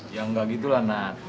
ya gak gitu lah nat